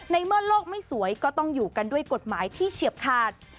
ในเมื่อโลกไม่สวยก็ต้องอยู่กันด้วยกฎหมายที่เฉียบขาด